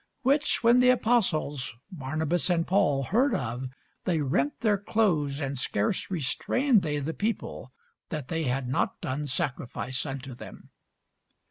Which when the apostles, Barnabas and Paul, heard of, they rent their clothes, and scarce restrained they the people, that they had not done sacrifice unto them.